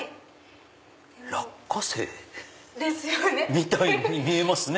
落花生みたいに見えますね。